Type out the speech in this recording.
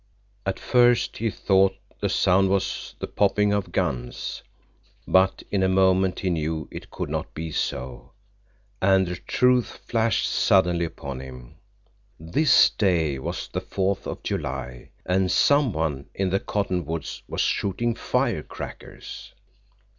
At first he thought the sound was the popping of guns, but in a moment he knew it could not be so, and the truth flashed suddenly upon him. This day was the Fourth of July, and someone in the cottonwoods was shooting firecrackers!